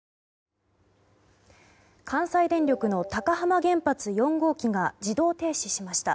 関西電力の高浜原発４号機が自動停止しました。